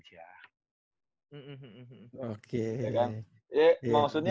maksudnya kayak buat gue pribadi ya lu ya kayak wah orang emang kan beberapa orang kayak misalnya